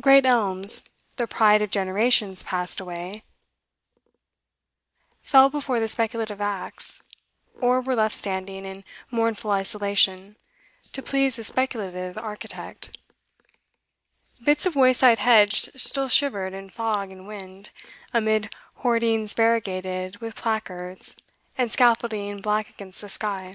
Great elms, the pride of generations passed away, fell before the speculative axe, or were left standing in mournful isolation to please a speculative architect; bits of wayside hedge still shivered in fog and wind, amid hoardings variegated with placards and scaffolding black against the sky.